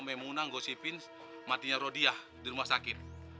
memang ngosipin matinya roh dia di rumah sakit